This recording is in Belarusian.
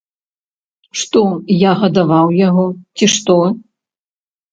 Што я гадаваў яго, ці што?